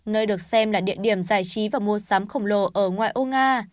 nơi được xem là địa điểm giải trí và mua sắm khổng lồ ở ngoài âu nga